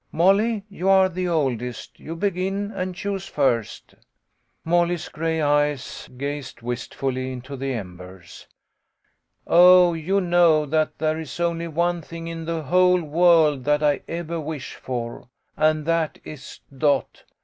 Molly, you are the oldest, you begin, and choose first." LEFT BEHIND. 1 19 Molly's gray eyes' gazed wistfully into the embers. '* Oh, you know that there is only one thing in the whole world that I ever wish for, and that is Dot.